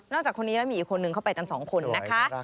จากคนนี้แล้วมีอีกคนนึงเข้าไปกันสองคนนะคะ